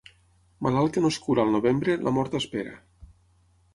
Malalt que no es cura al novembre, la mort espera.